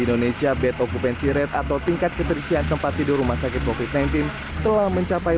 indonesia bed occupancy rate atau tingkat keterisian tempat tidur rumah sakit covid sembilan belas telah mencapai